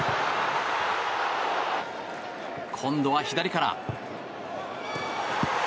今度は左から。